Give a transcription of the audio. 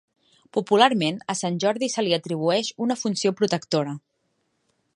Popularment, a Sant Jordi se li atribueix una funció protectora.